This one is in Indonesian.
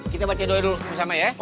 kita baca doa dulu sama ya